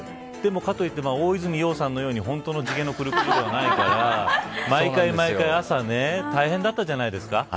でも、かといって大泉洋さんのように本当の地毛のくるくるではないから毎回、朝大変だったんじゃないですか。